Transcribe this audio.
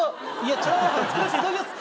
チャーハン作らせていただきやす。